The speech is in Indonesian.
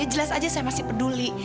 jelas aja saya masih peduli